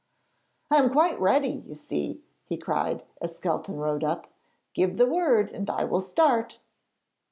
'I am quite ready, you see,' he cried, as Skelton rode up. 'Give the word and I will start.'